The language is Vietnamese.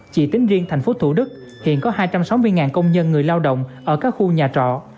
chỉ tính riêng tp thủ đức hiện có hai trăm sáu mươi công nhân người lao động ở các khu nhà trọ